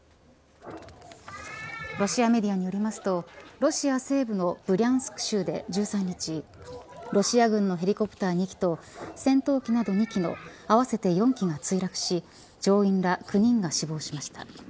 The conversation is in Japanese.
ロシアメディアによりますとロシア西部のブリャンスク州で１３日ロシア軍のヘリコプター２機と戦闘機など２機の合わせて４機が墜落し乗員ら９人が死亡しました。